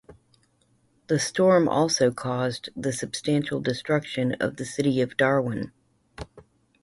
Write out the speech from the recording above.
The storm also caused the substantial destruction of the city of Darwin.